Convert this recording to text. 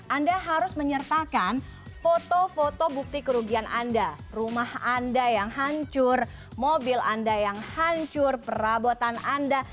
anda harus menyertakan foto foto bukti kerugian anda rumah anda yang hancur mobil anda yang hancur perabotan anda